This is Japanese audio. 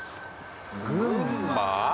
群馬？